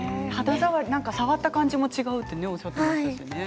触った感じも肌触りも違うとおっしゃっていましたね。